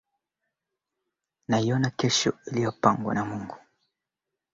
Tarehe kumi na sita mwezi wa saba Wajerumani waliwahi kusikia habari zake